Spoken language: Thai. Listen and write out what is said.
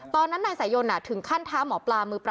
ตอนนั้นนายสายยนต์ถึงขั้นท้าหมอปลามือปรับ